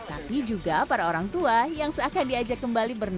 tapi juga para orang tua yang seakan diajak kembali bernama